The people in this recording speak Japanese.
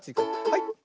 はい。